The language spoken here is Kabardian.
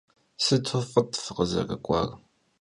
Sıtu f'ıt fıkhızerık'uar.